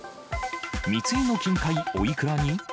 密輸の金塊おいくらに？